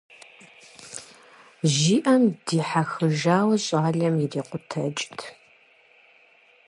Жиӏэм дихьэхыжауэ щӏалэм ирикъутэкӏт.